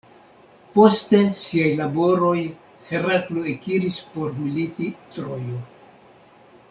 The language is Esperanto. Poste siaj laboroj, Heraklo ekiris por militi Trojo.